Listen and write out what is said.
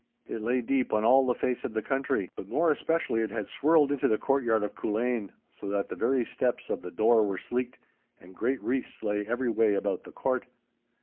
It lay deep on all the face of the country, but more especially it had swirled into the courtyard of Culzean, so that the very steps of the door were sleeked, and great wreaths lay every way about the court.